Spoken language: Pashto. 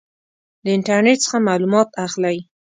د انټرنټ څخه معلومات اخلئ؟